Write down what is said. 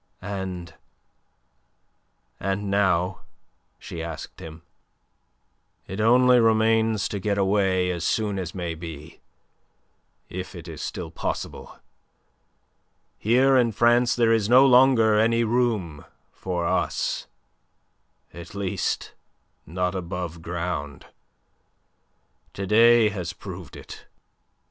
"And... and now?" she asked him. "It only remains to get away as soon as may be, if it is still possible. Here in France there is no longer any room for us at least, not above ground. To day has proved it."